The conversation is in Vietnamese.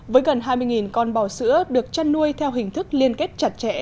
với gần hai mươi con bò sữa được chăn nuôi theo hình thức liên kết chặt chẽ